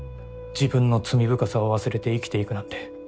自分の罪深さを忘れて生きていくなんて